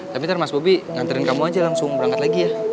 tapi ntar mas bobi nganterin kamu aja langsung berangkat lagi ya